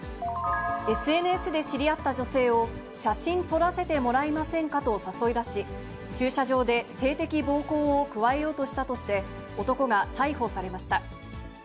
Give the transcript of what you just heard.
ＳＮＳで知り合った女性を、写真撮らせてもらえませんかと誘い出し、駐車場で性的暴行を加えようとしたとして、男が逮捕されました。